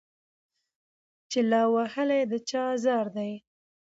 چي لا وهلی د چا آزار دی